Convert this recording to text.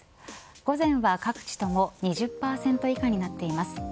午前は各地とも２０％以下になっています。